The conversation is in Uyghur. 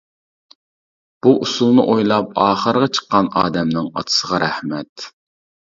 بۇ ئۇسۇلنى ئويلاپ ئاخىرىغا چىققان ئادەمنىڭ ئاتىسىغا رەھمەت!